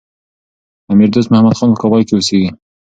امیر دوست محمد خان په کابل کي اوسېږي.